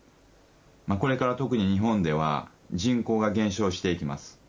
これから特に日本では人口が減少していきます。